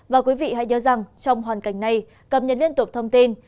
và quý vị hãy nhớ rằng trong hoàn cảnh này cập nhật liên tục thông tin